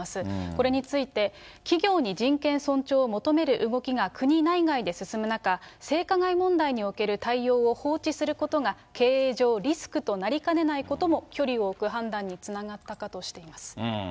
これについて、企業に人権尊重を求める動きが国内外で進む中、性加害問題における対応を放置することが、経営上リスクとなりかねないことも、距離を置く判断につながったかとしています。